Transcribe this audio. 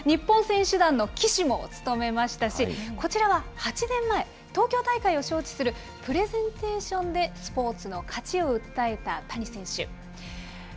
開会式では、日本選手団の旗手も務めましたし、こちらは８年前、東京大会を招致するプレゼンテーションでスポーツの価値を訴えた谷選手。